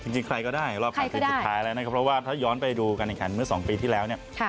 จริงใครก็ได้รอบ๘ทีมสุดท้ายแล้วนะครับเพราะว่าถ้าย้อนไปดูการแข่งขันเมื่อ๒ปีที่แล้วเนี่ย